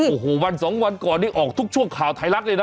โอ้โหวันสองวันก่อนนี้ออกทุกช่วงข่าวไทยรัฐเลยนะ